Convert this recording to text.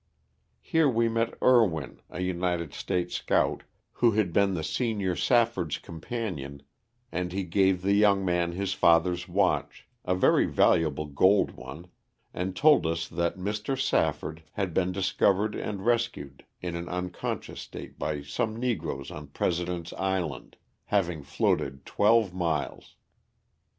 Here we met Erwin, a United States scout, who had been the senior Safford's companion and he gave the young man his father's watch, a very valu able gold one, and told us that Mr. Safford had been LOSS OF THE SULTAN'A. 123 discovered and rescued in an unconscious state by some negroes on President's Island, having floated twelve miles.